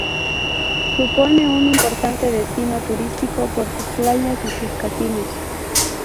Supone un importante destino turístico por sus playas y sus casinos.